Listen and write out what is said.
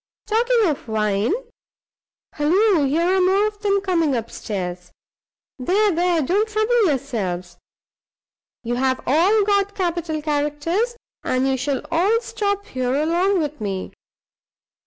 Talking of wine halloo! here are more of them coming up stairs. There! there! don't trouble yourselves. You've all got capital characters, and you shall all stop here along with me.